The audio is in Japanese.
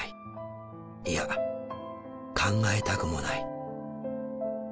いや考えたくもない。